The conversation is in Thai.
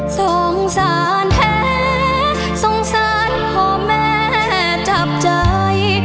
สงสารแท้สงสารพ่อแม่จับใจ